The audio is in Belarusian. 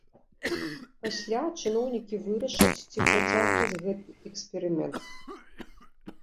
Пасля чыноўнікі вырашаць, ці працягваць гэты эксперымент.